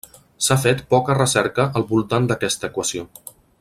S'ha fet poca recerca al voltant d'aquesta equació.